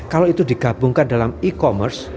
kalau itu digabungkan dalam e commerce